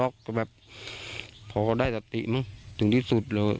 ก็แบบพ่อก็ได้สติแม่งจึงที่สุด